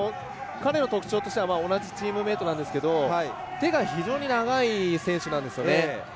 彼の特徴としては同じチームメートなんですけど手が非常に長い選手なんですよね。